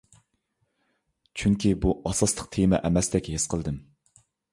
چۈنكى بۇ ئاساسلىق تېما ئەمەستەك ھېس قىلدىم.